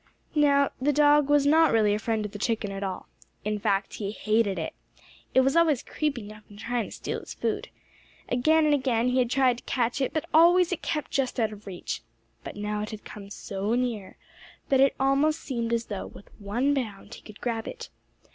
Now the dog was not really a friend of the chicken at all. In fact he hated it. It was always creeping up and trying to steal his food. Again and again he had tried to catch it, but always it kept just out of reach. But now it had come so near, that it almost seemed as though, with one bound he could grab it.